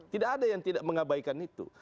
tidak ada yang tidak mengabaikan itu